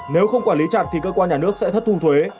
nếu không quản lý chặt thì cơ quan nhà nước sẽ thất thu thuế